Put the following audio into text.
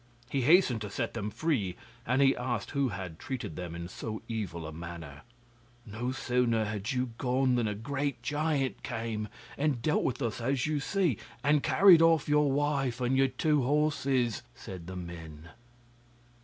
He hastened to set them free, and he asked who had treated them in so evil a manner. 'No sooner had you gone than a great giant came, and dealt with us as you see, and carried off your wife and your two horses,' said the men.